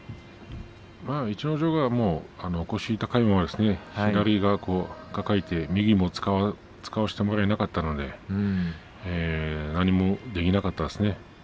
逸ノ城は腰が高いのは左抱えて右も使わせてもらえなかったので何もできなかったですね。